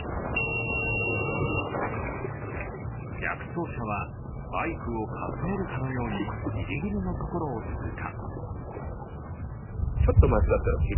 逆走車はバイクをかすめるかのようにギリギリのところを通過。